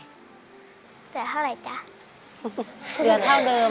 เหลือเท่าเดิมลูก